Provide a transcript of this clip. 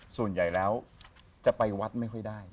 ส่วนใหญ่แล้วจะไปวัดไม่ค่อยได้